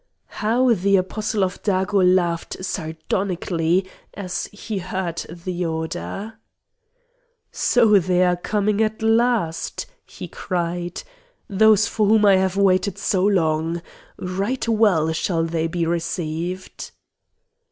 How the Apostle of Dago laughed sardonically as he read the order. "So they are coming at last!" he cried; "those for whom I have waited so long! Right well shall they be received!"